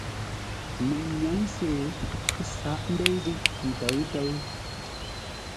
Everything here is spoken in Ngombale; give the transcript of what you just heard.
Məŋ nyǎŋ-sê ə́ sǎghʼ ndéi ghíʼ ntə̌ʉ-ntə́ rəngû.